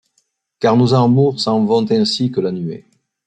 Car nos amours s’en vont ainsi que la nuée